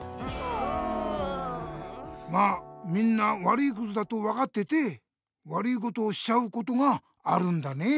まあみんな悪いことだとわかってて悪いことをしちゃうことがあるんだね。